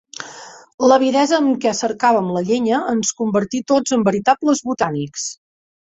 L'avidesa amb què cercàvem la llenya ens convertí tots en veritables botànics.